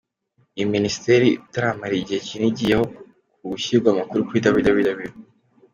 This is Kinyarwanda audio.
Iyi Minisiteri itaramara igihe kinini igiyeho, ku gushyira amakuru kuri www.